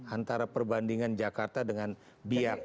antara perbandingan jakarta dengan biak